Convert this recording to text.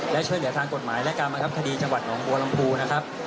และช่วยเหลือทางกฎหมายและการบังคับคดีจังหวัดหนองบัวลำพูนะครับ